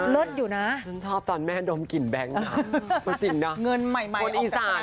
เลิศอยู่นะฉันชอบตอนแม่ดมกลิ่นแบงค์ค่ะตัวจริงนะเงินใหม่คนอีสาน